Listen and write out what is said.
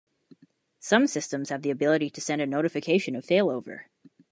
Some systems have the ability to send a notification of failover.